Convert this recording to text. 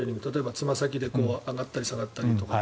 つま先で上がったり下がったりとか。